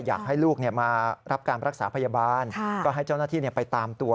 อยากให้ลูกมารับการรักษาพยาบาลก็ให้เจ้าหน้าที่ไปตามตัว